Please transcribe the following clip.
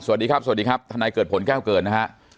สวัสดีครับสวัสดีครับทนายเกิดผลแก้วเกิดนะฮะ